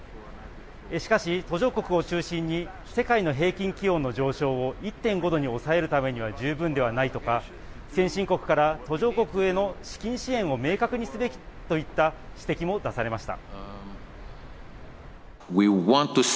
しかし、途上国を中心に世界の平均気温の上昇を１．５度に抑えるためには十分ではないとか、先進国から途上国への資金支援を明確にすべきといった指摘も出されました。